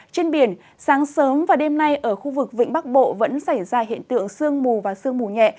trên biển sáng sớm và đêm nay ở khu vực vĩnh bắc bộ vẫn xảy ra hiện tượng sương mù và sương mù nhẹ